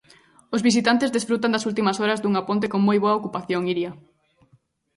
Os visitantes desfrutan das últimas horas dunha ponte con moi boa ocupación, Iria.